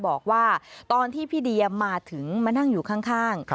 บอกว่าตอนที่พี่เดียมาถึงมานั่งอยู่ข้าง